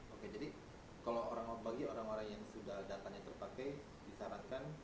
oke jadi kalau bagi orang orang yang sudah datanya terpakai disarankan